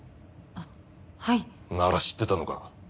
あっはいなら知ってたのか？